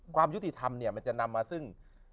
ความยุติธรรมเนี่ยมันจะนำมาซึ่ง